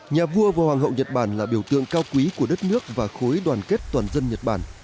nhà vua và hoàng hậu nhật bản là biểu tượng cao quý của đất nước và khối đoàn kết toàn dân nhật bản